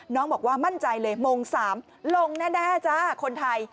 น้องบอกว่ามั่นใจเลยโมง๓ลงแน่จ้าคนไทย